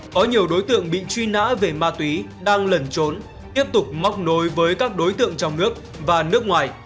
có nhiều đối tượng bị truy nã về ma túy đang lẩn trốn tiếp tục móc nối với các đối tượng trong nước và nước ngoài